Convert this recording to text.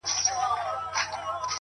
هغه خو زما کره په شپه راغلې نه ده _